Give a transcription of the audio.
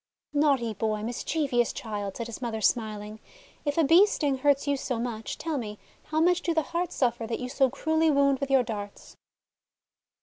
' 'Naughty boy, mischievous child," said his mother, smiling, :<if a Bee's sting hurts you so much, tell me, how much do the hearts suffer that you so cruelly wound with your darts?'